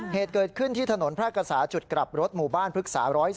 เหตุเกิดขึ้นที่ถนนแพร่กษาจุดกลับรถหมู่บ้านพฤกษา๑๔